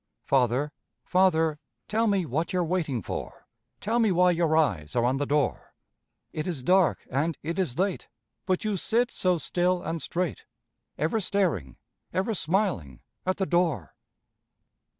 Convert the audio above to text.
Father, father, tell me what you're waiting for, Tell me why your eyes are on the door. It is dark and it is late, But you sit so still and straight, Ever staring, ever smiling, at the door.